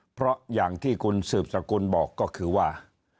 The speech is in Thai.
เพราะอย่างที่คุณสืบสกุลบอกก็คือว่า